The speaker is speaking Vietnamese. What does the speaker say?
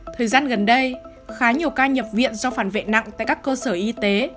thời gian gần đây khá nhiều ca nhập viện do phản vệ nặng tại các cơ sở y tế